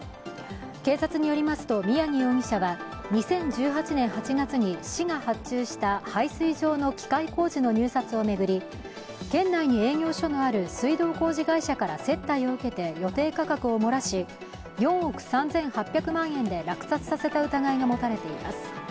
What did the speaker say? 警察によりますと宮城容疑者は２０１８年８月に市が発注した配水場の機械工事の入札を巡り県内に営業所がある水道工事会社から接待を受けて予定価格を漏らし、４億３８００万円で落札させた疑いが持たれています。